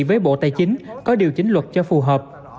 với bộ tài chính có điều chỉnh luật cho phù hợp